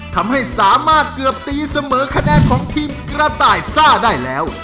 ทำให้สามารถเกือบตีเสมอคะแนนของทีมกระต่ายซ่าได้แล้ว